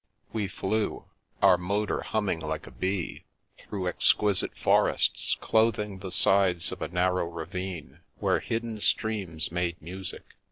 We flew, our motor humming like a bee, through exquisite forests clothing the sides of a narrow ravine, where hidden streams made music.